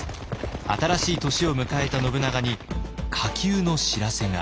新しい年を迎えた信長に火急の知らせが。